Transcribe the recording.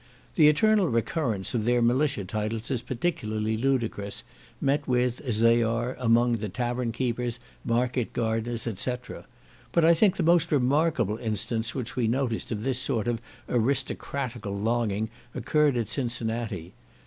The eternal recurrence of their militia titles is particularly ludicrous, met with, as they are, among the tavern keepers, market gardeners, &c. But I think the most remarkable instance which we noticed of this sort of aristocratical longing occurred at Cincinnati.